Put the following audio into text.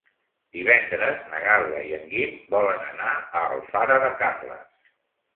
Divendres na Gal·la i en Guim volen anar a Alfara de Carles.